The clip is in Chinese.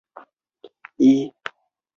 另外还有一种内置格式。